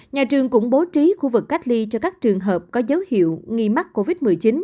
nhà trường cũng bố trí khu vực cách ly cho các trường hợp có dấu hiệu nghi mắc covid một mươi chín